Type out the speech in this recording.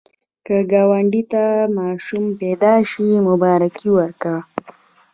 که ګاونډي ته ماشوم پیدا شي، مبارکي ورکړه